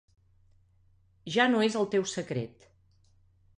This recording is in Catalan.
Ja no és el teu secret.